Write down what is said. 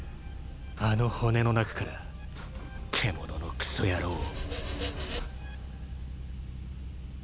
あの骨の中から獣のクソ野郎を。